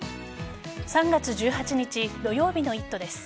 ３月１８日土曜日の「イット！」です。